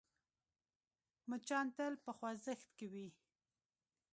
مچان تل په خوځښت کې وي